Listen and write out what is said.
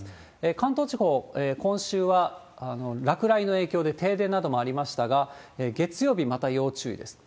関東地方、今週は落雷の影響で停電などもありましたが、月曜日また要注意です。